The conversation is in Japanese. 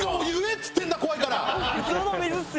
普通の水っすよ！